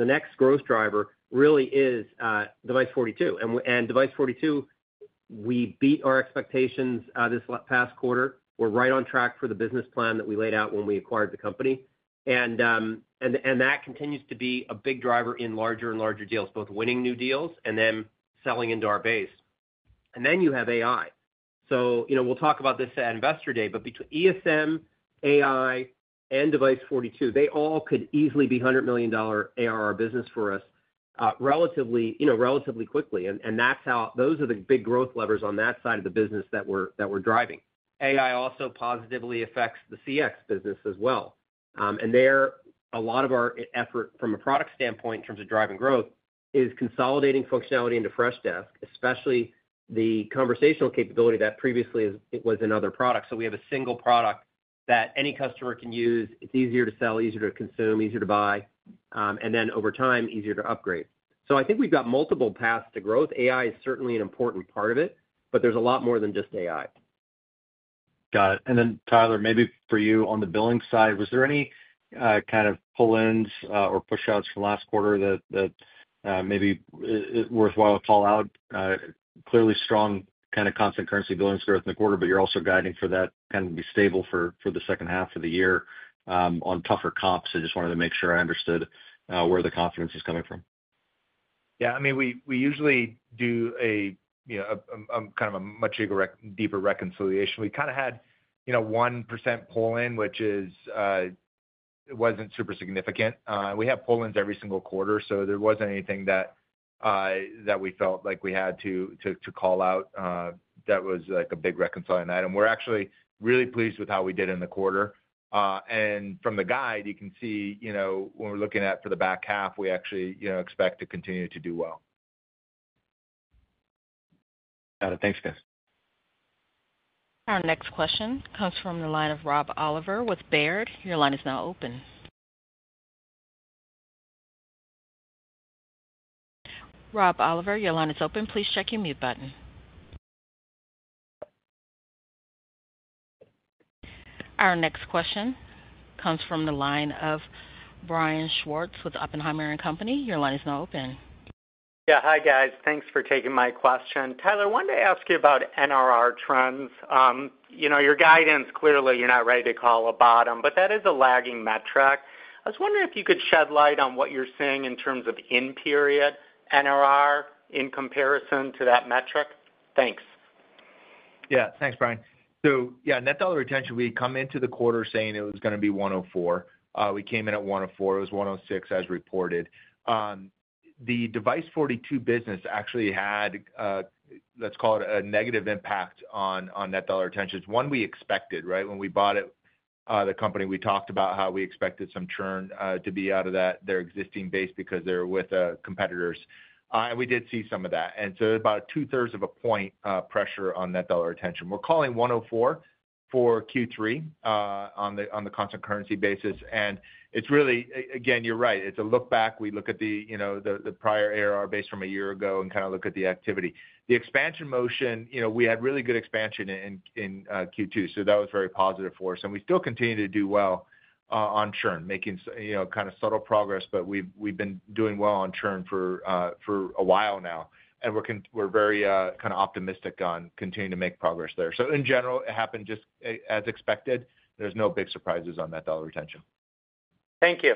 S3: next growth driver really is Device42. Device42, we beat our expectations this past quarter. We're right on track for the business plan that we laid out when we acquired the company, and that continues to be a big driver in larger and larger deals, both winning new deals and then selling into our base. Then you have AI. We'll talk about this at Investor Day, but between ESM, AI, and Device42, they all could easily be $100 million ARR businesses for us relatively quickly. Those are the big growth levers on that side of the business that we're driving. AI also positively affects the CX business as well. There, a lot of our effort from a product standpoint in terms of driving growth is consolidating functionality into Freshdesk, especially the conversational capability that previously was in other products. We have a single product that any customer can use. It's easier to sell, easier to consume, easier to buy, and over time, easier to upgrade. I think we've got multiple paths to growth. AI is certainly an important part of it, but there's a lot more than just AI.
S10: Got it. Tyler, maybe for you on the billing side, was there any kind. Of pull ins or push outs from last quarter that may be worthwhile to call out? Clearly strong kind of constant currency billings. Growth in the quarter, but you're also guiding for that to be stable for the second half of the year on tougher comps. I just wanted to make sure I understood where the confidence is coming from.
S4: Yeah, I mean we usually do a much deeper reconciliation. We had 1% pull-in, which wasn't super significant. We have pull-ins every single quarter, so there wasn't anything that we felt like we had to call out that was a big reconciling item. We're actually really pleased with how we did in the quarter, and from the guide you can see when we're looking at the back half, we actually expect to continue to do well.
S10: Got it. Thanks guys.
S1: Our next question comes from the line of Rob Oliver with Baird. Your line is now open. Rob Oliver, your line is open. Please check your mute button. Our next question comes from the line of Brian Schwartz with Oppenheimer and Company. Your line is now open.
S11: Yeah. Hi guys. Thanks for taking my question. Tyler, wanted to ask you about NRR trends. You know, your guidance. Clearly you're not ready to call a bottom, but that is a lagging metric. I was wondering if you could shed light on what you're seeing in terms. Of in-period net dollar retention in comparison to that metric. Thanks.
S4: Yeah, thanks, Brian. So, yeah, net dollar retention. We come into the quarter saying it was going to be 104%. We came in at 104%. It was 106% as reported. The Device42 business actually had, let's call it, a negative impact on net dollar retention. One we expected right when we bought the company. We talked about how we expected some churn to be out of their existing base because they're with competitors. We did see some of that. About 2/3 of a point pressure on net dollar retention. We're calling 104 for Q3 on the constant currency basis. It's really, again, you're right. It's a look back. We look at the prior ARR base from a year ago and kind of look at the activity, the expansion motion. We had really good expansion in Q2, so that was very positive for us. We still continue to do well on churn, making kind of subtle progress. We've been doing well on churn for a while now and we're very optimistic on continuing to make progress there. In general, it happened just as expected. There's no big surprises on net dollar retention.
S11: Thank you.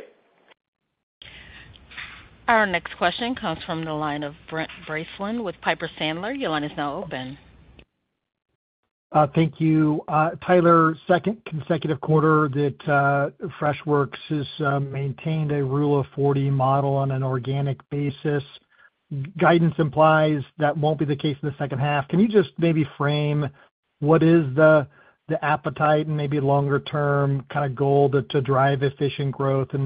S1: Our next question comes from the line of Brent Bracelin with Piper Sandler. Your line is now open.
S12: Thank you, Tyler. Second consecutive quarter that Freshworks has maintained a Rule of 40 model on an organic basis. Guidance implies that won't be the case in the second half. Can you just maybe frame what is the appetite and maybe longer term goal to drive efficient growth and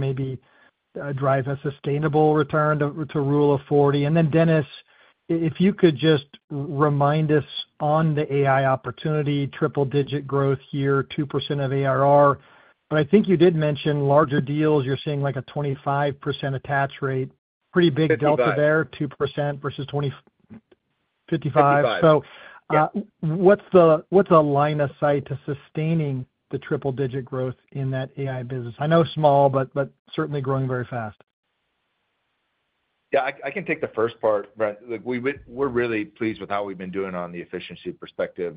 S12: maybe drive a sustainable return to Rule of 40, and then Dennis, if you could just remind us on the AI opportunity, triple digit growth here, 2% of ARR. I think you did mention larger deals. You're seeing like a 25% attach rate. Pretty big delta there, 2% versus 25%. What's the line of sight to sustaining the triple digit growth in that AI business? I know small, but certainly growing very fast.
S4: Yeah, I can take the first part, Brent. We're really pleased with how we've been doing on the efficiency perspective,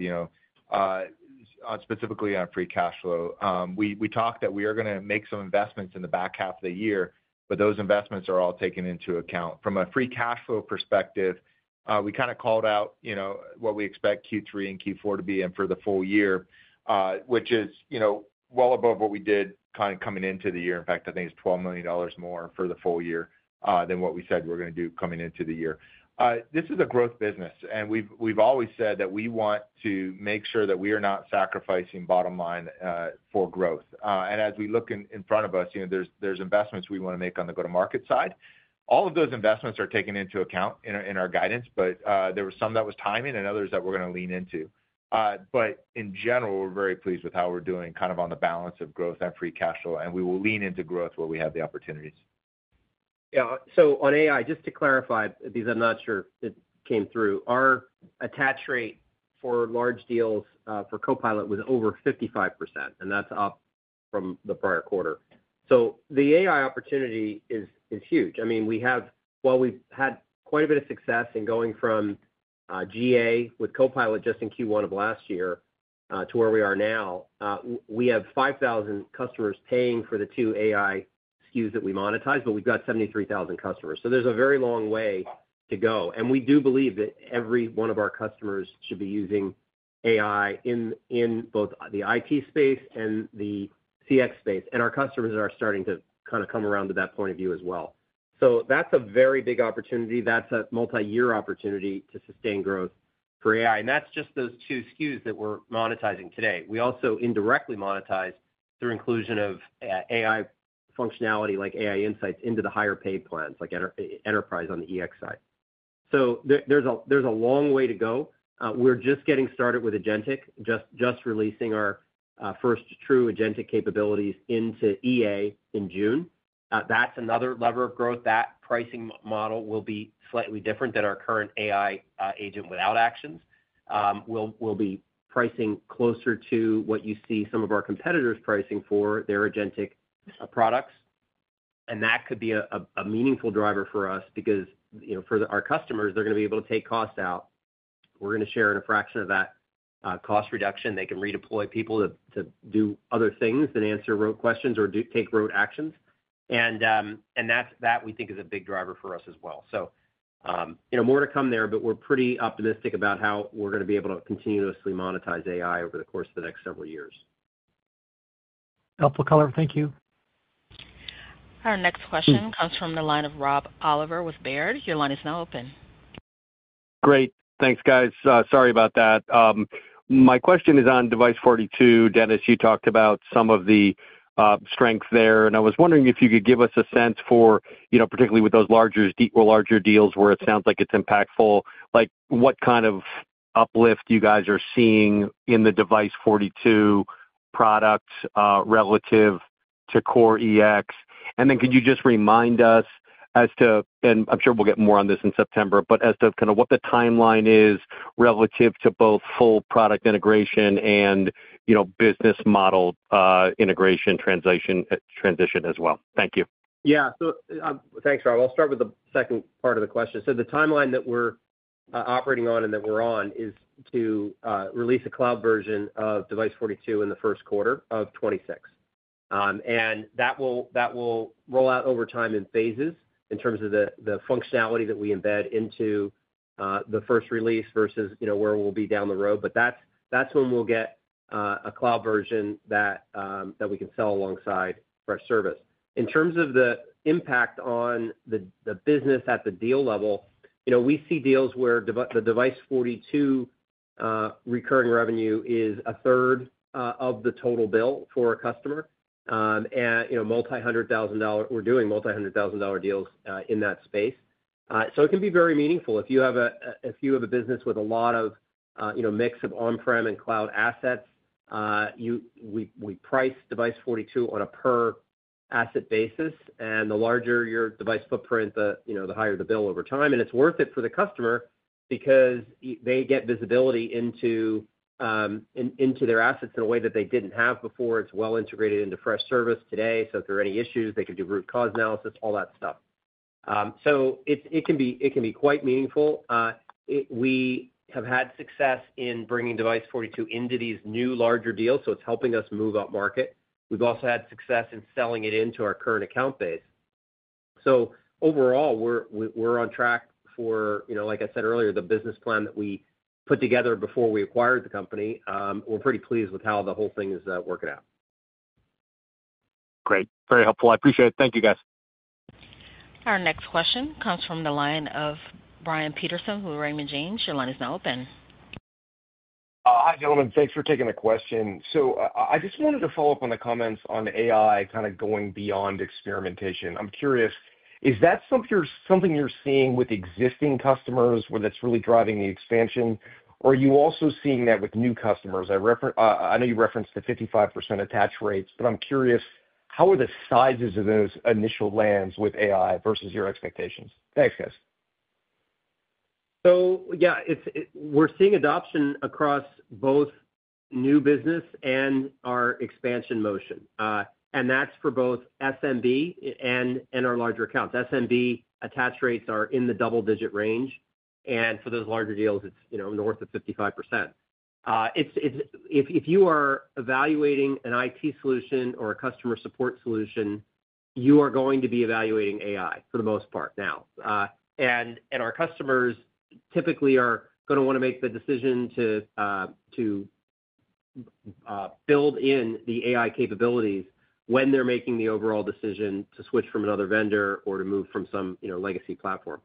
S4: specifically on free cash flow. We talked that we are going to make some investments in the back half of the year, but those investments are all taken into account from a free cash flow perspective. We called out what we expect Q3 and Q4 to be in for the full year, which is well above what we did coming into the year. In fact, I think it's $12 million more for the full year than what we said we're going to do coming into the year. This is a growth business and we've always said that we want to make sure that we are not sacrificing bottom line for growth. As we look in front of us, there's investments we want to make on the go to market side. All of those investments are taken into account in our guidance. There were some that was timing and others that we're going to lean into. In general, we're very pleased with how we're doing on the balance of growth and free cash flow and we will lean into growth where we have the opportunities.
S3: On AI, just to clarify because I'm not sure it came through, our attach rate for large deals for Copilot was over 55% and that's up from the prior quarter. The AI opportunity is huge. We have had quite a bit of success in going from GA with Copilot just in Q1 of last year to where we are now. We have 5,000 customers paying for the two AI SKUs that we monetize, but we've got 73,000 customers. There's a very long way to go. We do believe that every one of our customers should be using AI in both the IT space and the CX space. Our customers are starting to kind of come around to that point of view as well. That's a very big opportunity. That's a multi-year opportunity to sustain growth for AI, and that's just those two SKUs that we're monetizing today. We also indirectly monetize through inclusion of AI functionality like Freddy AI Insights into the higher paid plans like Enterprise on the EX side. There's a long way to go. We're just getting started with AgentIQ, just releasing our first true AgentIQ capabilities into EA in June. That's another lever of growth. That pricing model will be slightly different than our current AI agent. Without actions, we'll be pricing closer to what you see some of our competitors pricing for their AgentIQ products. That could be a meaningful driver for us because for our customers they're going to be able to take cost out, we're going to share in a fraction of that cost reduction. They can redeploy people to do other things than answer rote questions or take rote actions. We think that is a big opportunity. Driver for us as well. is more to come there. We're pretty optimistic about how we're going to be able to continuously monetize AI over the course of the next several years. Helpful color.
S12: Thank you.
S1: Our next question comes from the line of Rob Oliver with Baird. Your line is now open.
S13: Great, thanks guys. Sorry about that. My question is on Device42. Dennis, you talked about some of the strength there and I was wondering if you could give us a sense for, you know, particularly with those larger, larger deals where it sounds like it's impactful, like what kind of uplift you guys are seeing in the Device42 products relative to Core EX. Can you just remind us as to, and I'm sure we'll get more on this in September, what the timeline is relative to both full product. Integration and, you know, business model integration. Translation transition as well. Thank you.
S3: Yeah, thanks Rob. I'll start with the second part of the question. The timeline that we're operating on and that we're on is to release a cloud version of Device42 in Q1 2026, and that will roll out over time in phases in terms of the functionality that we embed into the first release versus where we'll be down the road. That's when we'll get a cloud version that we can sell alongside Freshservice. In terms of the impact on the business at the deal level, we see deals where the Device42 recurring revenue is a third of the total bill for a customer. In multi-hundred-thousand-dollar deals, we're doing multi-hundred-thousand-dollar deals in that space. It can be very meaningful if you have a business with a lot of mix of on-prem and cloud assets. We price Device42 on a per asset basis, and the larger your device footprint, the higher the bill over time. It's worth it for the customer because they get visibility into their assets in a way that they didn't have before. It's well integrated into Freshservice today. If there are any issues, they can do root cause analysis, all that stuff. It can be quite meaningful. We have had success in bringing Device42 into these new larger deals, so it's helping us move up market. We've also had success in selling it into our current account base. Overall, we're on track for, like I said earlier, the business plan that we put together before we acquired the company. We're pretty pleased with how the whole thing is working out.
S13: Great. Very helpful. I appreciate it. Thank you, guys.
S1: Our next question comes from the line of Brian Peterson with Raymond James, your line is now open.
S14: Hi gentlemen. Thanks for taking the question. I just wanted to follow up on the comments on AI kind of going beyond experimentation. I'm curious, is that something you're seeing with existing customers where that's really driving? The expansion, or are you also seeing that with new customers? I know you referenced the 55% attach rates, but I'm curious, how are the sizes of those initial lands with AI versus your expectations? Thanks guys.
S3: Yeah, we're seeing adoption across both new business and our expansion motion, and that's for both SMB and our larger accounts. SMB attach rates are in the double-digit range, and for those larger deals, it's north of 55%. If you are evaluating an IT solution or a customer support solution, you are going to be evaluating AI for the most part now. Our customers typically are going to want to make the decision to build in the AI capabilities when they're making the overall decision to switch from another vendor or to move from some legacy platform.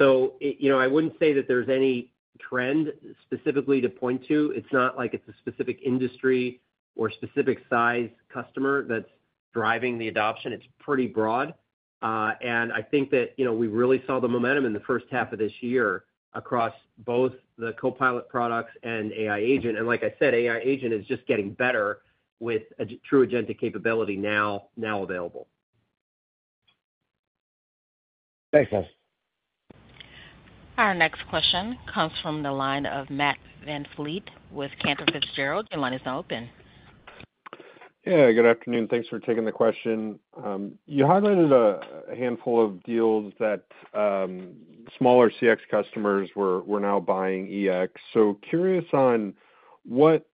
S3: I wouldn't say that there's any trend specifically to point to. It's not like it's a specific industry or specific size customer that's driving the adoption. It's pretty broad, and I think that we really saw the momentum in the first half of this year across both the Copilot products and AI Agent. Like I said, AI Agent is just getting better with true agentic capability now available. Thanks, Liz.
S1: Our next question comes from the line of Matt Vanvliet with Cantor Fitzgerald. Your line is now open.
S15: Yeah, good afternoon. Thanks for taking the question. You highlighted a handful of deals that smaller CX customers were now buying EX. Curious on what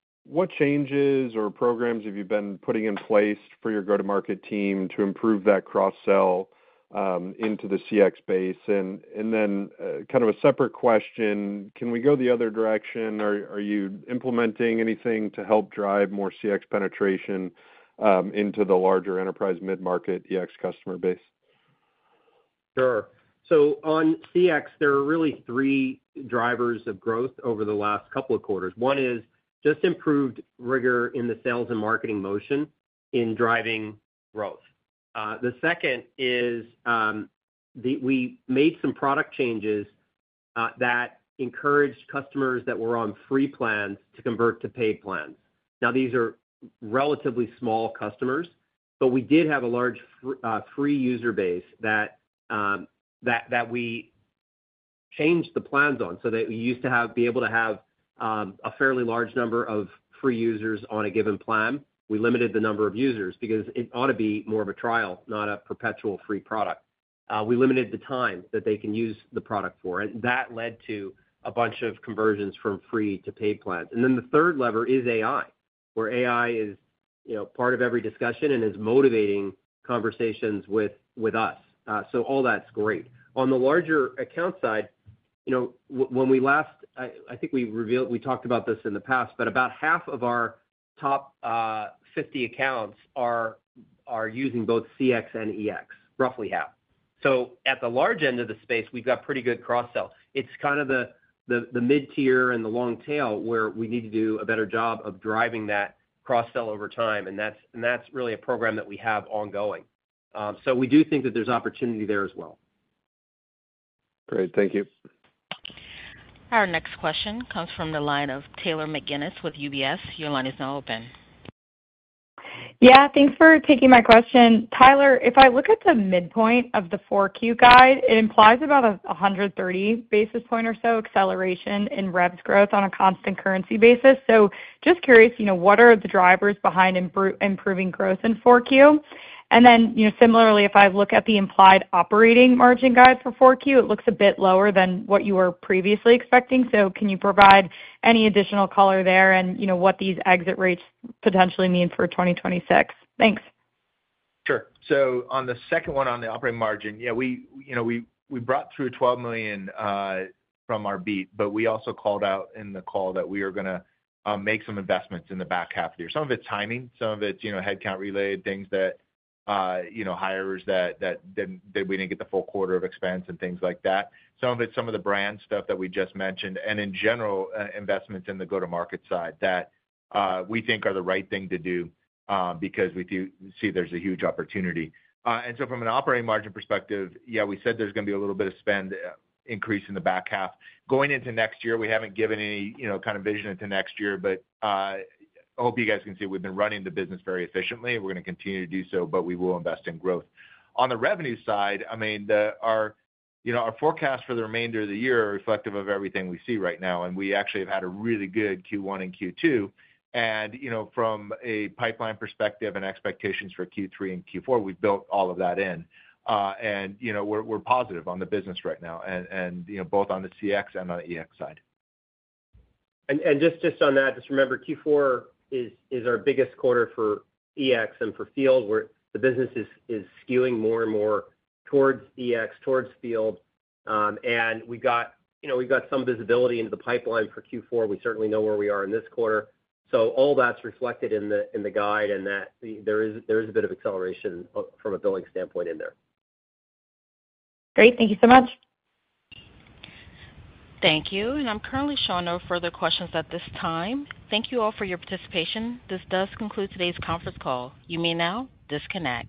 S15: changes or programs have you been putting in place for your go-to-market team to improve that cross-sell into the CX base? Kind of a separate question, can we go the other direction? Are you implementing anything to help drive more CX penetration into the larger enterprise mid-market EX customer base?
S3: Sure. On CX there are really three drivers of growth over the last couple of quarters. One is just improved rigor in the sales and marketing motion in driving growth. The second is we made some product changes that encouraged customers that were on free plans to convert to paid plans. Now these are relatively small customers, but we did have a large free user base that we changed the plans on so that we used to be able to have a fairly large number of free users on a given plan. We limited the number of users because it ought to be more of a trial, not a perpetual free product. We limited the time that they can use the product for. That led to a bunch of conversions from free to paid plans. The third lever is AI where AI is part of every discussion and is motivating conversations with us. All that's great. On the larger account side, I think we revealed we talked about this in the past, but about half of our top 50 accounts are using both CX and EX. Roughly half. At the large end of the space we've got pretty good cross sell. It's kind of the mid tier and the long tail where we need to do a better job of driving that cross sell over time. That's really a program that we have ongoing. We do think that there's opportunity there as well.
S15: Great, thank you.
S1: Our next question comes from the line of Taylor McGinnis with UBS. Your line is now open.
S16: Yeah, thanks for taking my question, Tyler. If I look at the midpoint of the 4Q guide, it implies about 130 basis points or so acceleration in revenue growth on a constant currency basis. Just curious, you know, what are the drivers behind improving growth in 4Q? Similarly, if I look at the implied operating margin guide for 4Q, it looks a bit lower than what you were previously expecting. Can you provide any additional color there and you know what these exit rates potentially mean for 2026? Thanks.
S3: Sure. On the second one on the operating margin, we brought through $12 million from our beat. We also called out in the call that we are going to make some investments in the back half of the year. Some of it's timing, some of it's headcount related, things like hires that we didn't get the full quarter of expense and things like that. Some of it's some of the brand stuff that we just mentioned, and in general investments in the go to market side that we think are the right thing to do because we do see there's a huge opportunity. From an operating margin perspective, yeah, we said there's going to be a little bit of spend increase in the back half going into next year. We haven't given any kind of vision into next year. I hope you guys can see we've been running the business very efficiently. We're going to continue to do so, but we will invest in growth on the revenue side. Our forecast for the remainder of the year are reflective of everything we see right now. We actually have had a really good Q1 and Q2, and from a pipeline perspective and expectations for Q3 and Q4, we've built all of that in and we're positive on the business right now both on the CX and on the EX side. Just remember Q4 is our biggest quarter for EX and for field, where the business is skewing more and more towards EX, towards field. We've got some visibility into the pipeline for Q4. We certainly know where we are in this quarter. All that's reflected in the guide, and there is a bit of acceleration from a billing standpoint in there.
S16: Great.
S5: Thank you so much.
S1: Thank you. I'm currently showing no further questions at this time. Thank you all for your participation. This does conclude today's conference call. You may now disconnect.